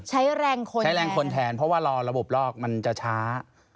ใช้แรงคนแทนเพราะว่ารอระบบลอกมันจะช้า